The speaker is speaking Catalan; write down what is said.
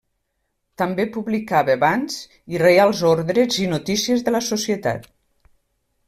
També publicava bans i reials ordres i notícies de la societat.